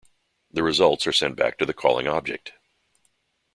The results are sent back to the calling object.